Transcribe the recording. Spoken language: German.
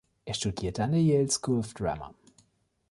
Er studierte an der Yale School of Drama.